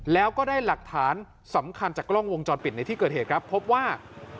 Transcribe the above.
แล้วก็ได้หลักฐานสำคัญจากกล้องวงจรปิดในที่เกิดเหตุครับพบว่า